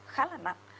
khá là nặng